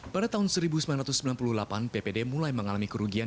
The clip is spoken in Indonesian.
pada tahun seribu sembilan ratus sembilan puluh delapan ppd mulai mengalami kerugian